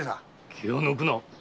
気を抜くな！